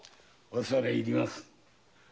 恐れ入ります。